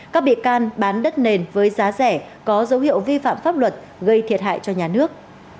các bị can bán đất nền với giá rẻ có dấu hiệu vi phạm pháp luật gây thiệt hại cho nhà nước